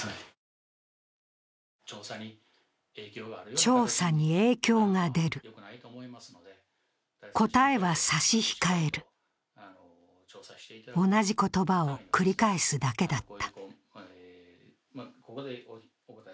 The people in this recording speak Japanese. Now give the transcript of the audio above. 調査に影響が出る、答えは差し控える、同じ言葉を繰り返すだけだった。